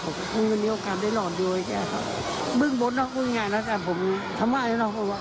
แค่ไขอยู่ไปจะได้